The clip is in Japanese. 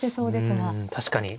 確かに。